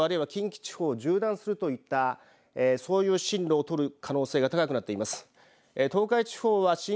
紀伊半島あるいは近畿地方を縦断するといったそういう進路を取る可能性が高くなっています。